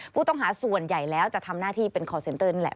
ผู้ต้องหาส่วนใหญ่แล้วจะทำหน้าที่เป็นคอร์เซ็นเตอร์นี่แหละ